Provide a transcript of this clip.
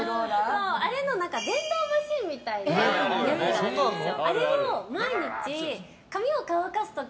あれの電動マシーンみたいなのあるんですよ。